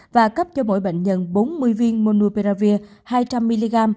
và cấp cho mỗi bệnh nhân bốn mươi viên monuperavir hai trăm linh mg